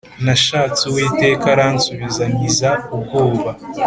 Nashatse Uwiteka aransubiza Ankiza ubwoba